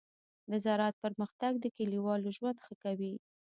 د زراعت پرمختګ د کليوالو ژوند ښه کوي.